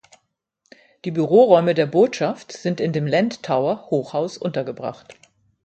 Die Büroräume der Botschaft sind in dem „Land Tower“ Hochhaus untergebracht.